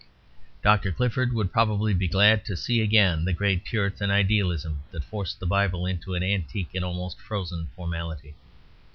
Dr. Clifford would probably be glad to see again the great Puritan idealism that forced the Bible into an antique and almost frozen formality.